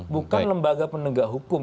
bukan lembaga penegak hukum